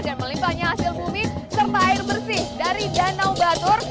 dan melimpahnya hasil bumi serta air bersih dari danau batur